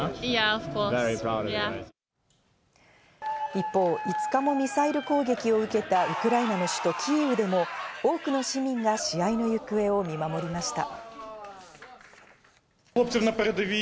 一方、５日もミサイル攻撃を受けたウクライナの首都キーウでも多くの市民が試合の行方を見守りました。